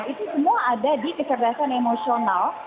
itu semua ada di kecerdasan emosional